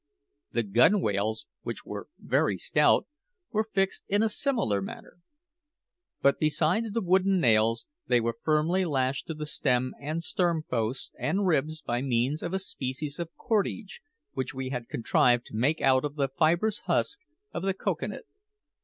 The gunwales, which were very stout, were fixed in a similar manner. But besides the wooden nails, they were firmly lashed to the stem and stern posts and ribs by means of a species of cordage which we had contrived to make out of the fibrous husk of the cocoa nut.